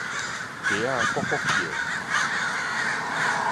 雞仔咯咯叫